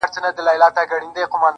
ستا د مخ له اب سره ياري کوي.